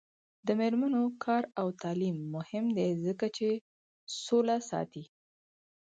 د میرمنو کار او تعلیم مهم دی ځکه چې سوله ساتي.